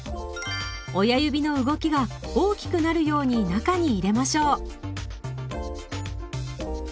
親指の動きが大きくなるように中に入れましょう。